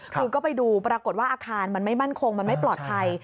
คือก็ไปดูปรากฏว่าอาคารมันไม่มั่นคงมันไม่ปลอดภัย